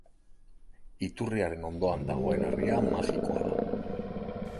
Iturriaren ondoan dagoen harria magikoa da.